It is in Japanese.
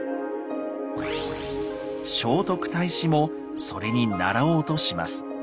聖徳太子もそれに倣おうとします。